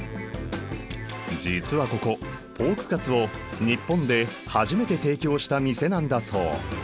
実はここポークカツを日本で初めて提供した店なんだそう。